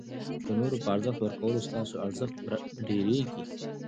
د نورو په ارزښت ورکولو ستاسي ارزښت ډېرېږي.